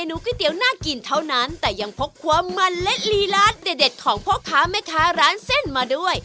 ก๋วยเตี๋ยวน่ากินเท่านั้นแต่ยังพกความมันและลีลาเด็ดของพ่อค้าแม่ค้าร้านเส้นมาด้วย